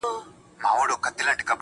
علم یې ګڼلای نه شو